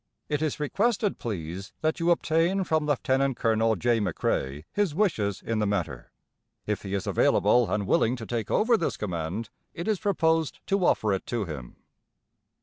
It is requested, please, that you obtain from Lieut. Col. J. McCrae his wishes in the matter. If he is available, and willing to take over this command, it is proposed to offer it to him.